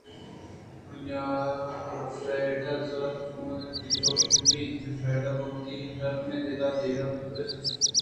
آئی ءَ را فریڈا ءِ زیات گم پِراَت کہ چوش مہ بیت کہ فریڈا گوں وتی نرمیں دل ءَ دگہ پگر ءُوسواسے ءَ سرءَبہ زُور یت